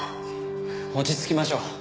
落ち着きましょう。